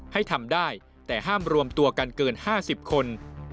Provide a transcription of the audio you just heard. ให้ทำได้แต่ห้ามรวมตัวกันเกิน๕๐คน